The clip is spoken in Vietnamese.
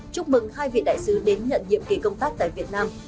chúc mừng hai vị đại sứ đến nhận nhiệm kỳ công tác tại việt nam